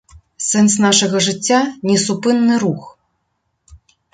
Сэнс нашага жыцця — несупынны рух